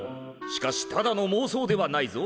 しかしただのもう想ではないぞ。